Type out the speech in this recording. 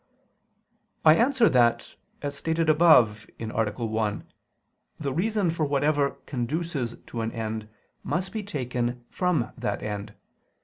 I answer that, As stated above (A. 1), the reason for whatever conduces to an end must be taken from that end.